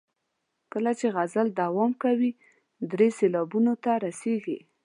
کله چې غزل دوام کوي درې سېلابونو ته رسیږي.